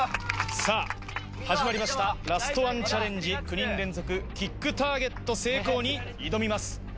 さぁ始まりましたラストワンチャレンジ９人連続キックターゲット成功に挑みます。